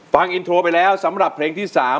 ฟังอินโทรไปแล้วสำหรับเพลงที่๓